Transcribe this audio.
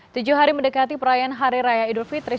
tujuh hari mendekati perayaan hari raya idul fitri